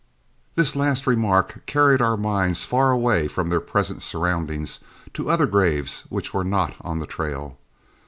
This last remark carried our minds far away from their present surroundings to other graves which were not on the trail.